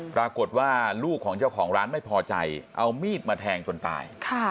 ปรากฏว่าลูกของเจ้าของร้านไม่พอใจเอามีดมาแทงจนตาย